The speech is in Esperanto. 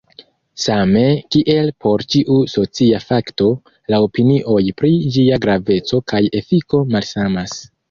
Same kiel por ĉiu socia fakto, la opinioj pri ĝia graveco kaj efiko malsamas.